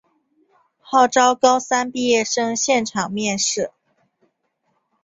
号召高三毕业生现场面试